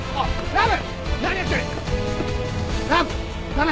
ラブ！